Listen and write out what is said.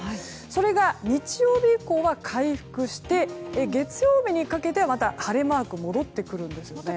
それが日曜日以降は回復して月曜日にかけてまた晴れマークに戻ってくるんですよね。